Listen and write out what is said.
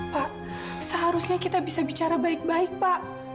pak seharusnya kita bisa bicara baik baik pak